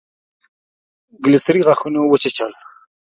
کلسري غاښونه وچيچل.